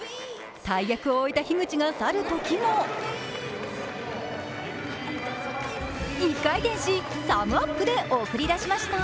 大役を終えた樋口が去るときも１回転し、サムアップで送り出しました。